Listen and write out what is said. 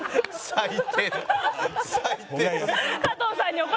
最低。